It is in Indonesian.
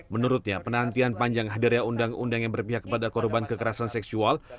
menurutnya penantian panjang hadirnya undang undang yang berpihak kepada korban kekerasan seksual